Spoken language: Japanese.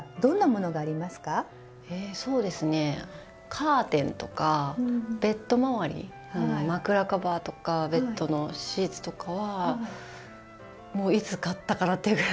カーテンとかベッド周り枕カバーとかベッドのシーツとかはもういつ買ったかなっていうぐらい長く使っているかな。